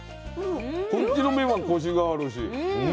こっちの麺はコシがあるし。